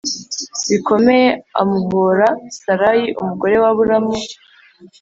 bikomeye amuhora Sarayi umugore wa Aburamu